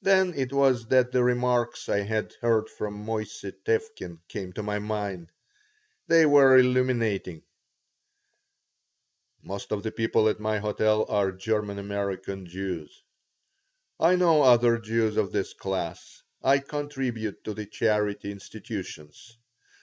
Then it was that the remarks I had heard from Moissey Tevkin came to my mind. They were illuminating Most of the people at my hotel are German American Jews. I know other Jews of this class. I contribute to their charity institutions.